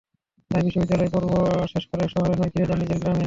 তাই বিশ্ববিদ্যালয়ের পর্ব শেষ করে শহরে নয়, ফিরে যান নিজের গ্রামে।